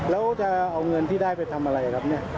แล้วจะเอาเงินที่ได้ไปทำอะไรครับเนี่ย